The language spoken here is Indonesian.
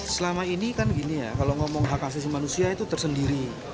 selama ini kan gini ya kalau ngomong hak asasi manusia itu tersendiri